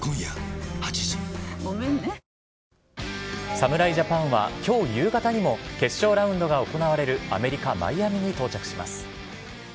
侍ジャパンは今日夕方にも決勝ラウンドが行われるアメリカ・マイアミに到着します。